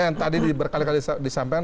yang tadi berkali kali disampaikan